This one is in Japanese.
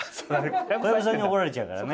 小籔さんに怒られちゃうからね。